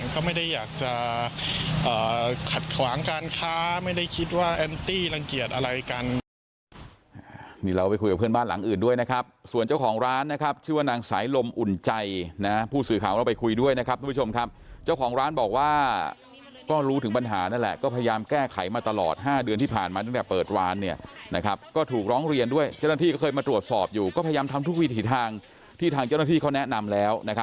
ก็ไม่ได้อยากจะขัดขวางการค้าไม่ได้คิดว่าแอมตี้รังเกียจอะไรกัน